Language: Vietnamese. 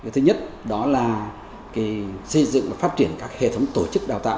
thứ nhất đó là xây dựng và phát triển các hệ thống tổ chức đào tạo